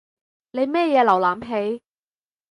你乜嘢瀏覽器？